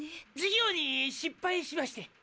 事業に失敗しまして。